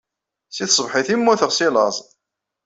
Seg tṣebḥit ay mmuteɣ seg laẓ.